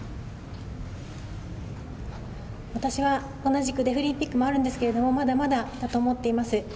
私は同じくデフリンピックもあるんですけれどもまだまだだと思っています。